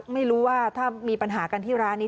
ไม่รู้ว่าถ้ามีปัญหากันที่ร้านนี้